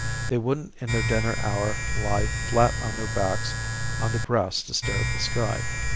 They wouldn't in their dinner hour lie flat on their backs on the grass to stare at the sky.